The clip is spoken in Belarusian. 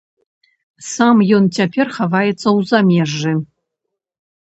Сам ён цяпер хаваецца ў замежжы.